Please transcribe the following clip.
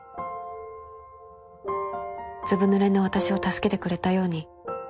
「ずぶ濡れの私を助けてくれたように」